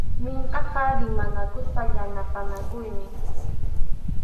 Minkʼaqa rimanakuspa yanapanakuymi.